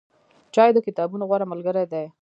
چای د کتابونو غوره ملګری دی.